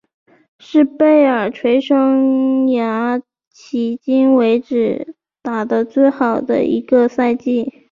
是贝尔垂生涯迄今为止打得最好的一个赛季。